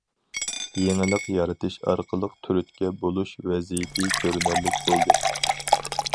يېڭىلىق يارىتىش ئارقىلىق تۈرتكە بولۇش ۋەزىيىتى كۆرۈنەرلىك بولدى.